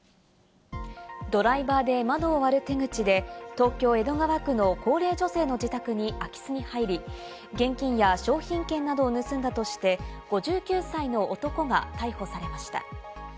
ドライバーで窓を割る手口で東京・江戸川区の高齢女性の自宅に空き巣に入り、現金や商品券などを盗んだとして５９歳の男が逮捕されました。